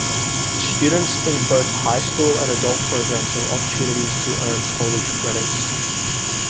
Students in both high school and adult programs have opportunities to earn college credits.